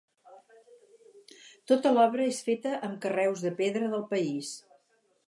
Tota l'obra és feta amb carreus de pedra del país.